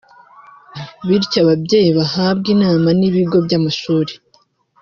bityo ababyeyi bahabwe inama n’ibigo by’amashuri